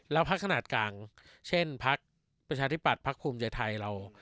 แล้วพักขนาดกลางเช่นพักประชาธิบัติพักภูมิใจไทยเรา